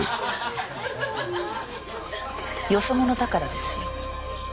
よそ者だからですよ。